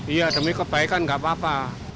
iya demi kebaikan gak apa apa